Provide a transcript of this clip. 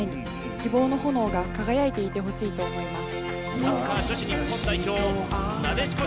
希望の炎が輝いていてほしいと思います。